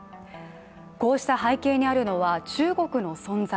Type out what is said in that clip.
こうした背景にあるのは、中国の存在。